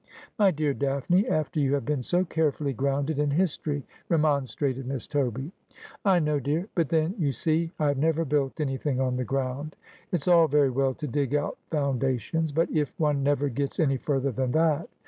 ' My dear Daphne, after you have been so carefully grounded in history, remonstrated Miss Toby. ' I know, dear ; but then you see I have never built anything on the ground. It's all very well to dig out foundations, but if one never gets any further than that